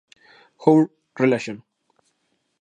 Our Relation